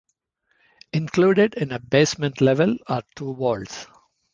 Included in a basement level are two vaults.